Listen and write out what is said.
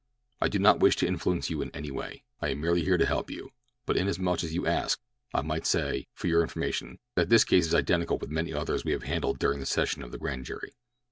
"I do not wish to influence you in any way. I am merely here to help you; but inasmuch as you ask, I might say, for your information, that this case is identical with many others we have handled during this session of the grand jury.